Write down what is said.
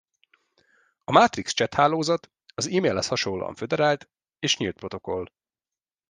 A Matrix chat hálózat az e-mailhez hasonlóan föderált, és nyílt protokoll.